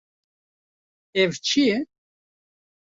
Ev çi ye?